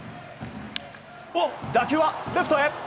打球はレフトへ。